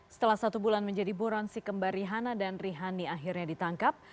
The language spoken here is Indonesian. setelah satu bulan menjadi buron si kembar rihanna dan rihanni akhirnya ditangkap